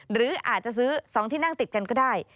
หรืออาจจะซื้อ๒ที่นั่งติดกันก็ได้